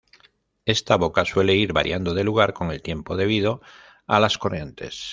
Esta boca suele ir variando de lugar con el tiempo debido a las corrientes.